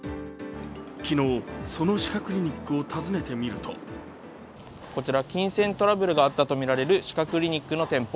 昨日、その歯科クリニックを訪ねてみるとこちら金銭トラブルがあったとみられる、歯科クリニックの店舗。